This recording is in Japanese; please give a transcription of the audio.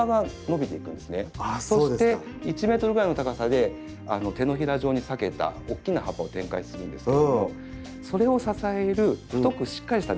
そして１ｍぐらいの高さで手のひら状に裂けた大きな葉っぱを展開するんですけどもそれを支える太くしっかりした軸があるんです葉柄。